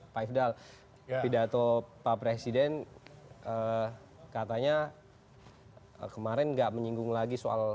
pak ifdal pidato pak presiden katanya kemarin nggak menyinggung lagi soal